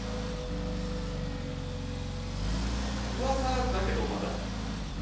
うわさだけどまだ。